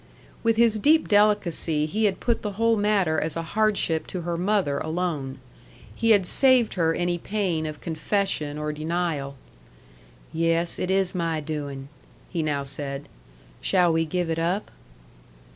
With his deep delicacy he had put the whole matter as a hardship to her mother alone. He had saved her any pain of confession or denial. "Yes, it is my doing," he now said. "Shall we give it up?"